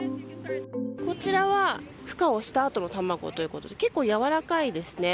こちらは孵化をしたあとの卵ということで結構やわらかいですね。